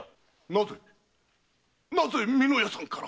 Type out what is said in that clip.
なぜなぜ美濃屋さんから？